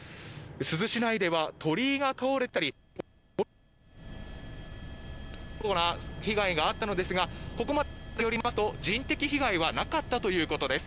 珠洲市内では鳥居が倒れたりするような被害があったのですがここまでの情報によりますと人的被害はなかったということです。